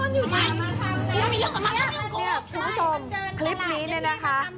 คุณผู้ชมคลิปนี้เนี่ยนะคะ